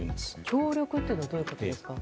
協力というのはどういうことですか？